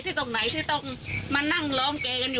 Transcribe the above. เขาจะมีกรอบรูปเนี้ย